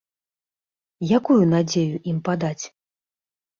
Якую надзею ім падаць?